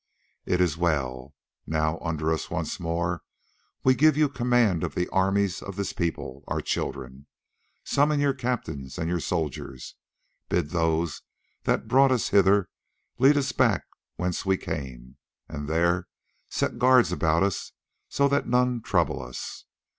"It is well. Now under us once more we give you command of the armies of this people, our children. Summon your captains and your soldiers. Bid those that brought us hither lead us back whence we came, and there set guards about us, so that none trouble us.